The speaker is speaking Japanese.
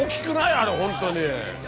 あれホントに。